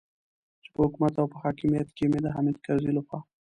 چې په حکومت او په حاکمیت کې مې د حامد کرزي لخوا.